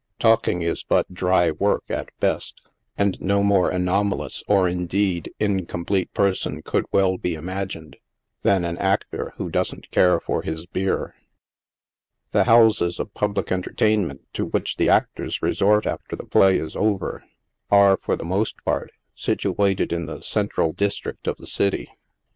Talk ing is but dry work, at best ; and no more anomalous, or, indeed, incomplete person could well be imagined, than an actor who doesn't care for his beer. The houses of public entertainment to which the actors resort after the play is over, are, for the most part, situated in the central district of the city.